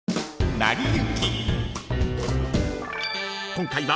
［今回は］